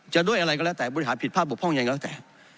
ด้วยอะไรก็แล้วแต่บริหารผิดพลาดบกพร่องยังไงก็แล้วแต่